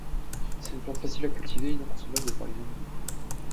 C'est une plante facile à cultiver et non consommable par les animaux.